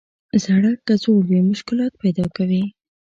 سړک که زوړ وي، مشکلات پیدا کوي.